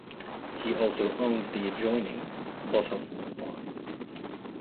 He also owned the adjoining "Boshof" farm.